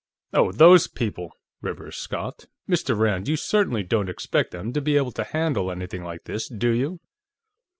"Oh, those people!" Rivers scoffed. "Mr. Rand, you certainly don't expect them to be able to handle anything like this, do you?"